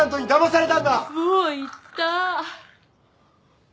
もう言った。